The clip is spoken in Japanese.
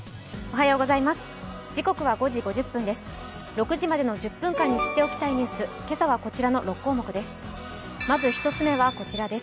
６時までの１０分間に知っておきたいニュース、今朝はこちらの６項目です。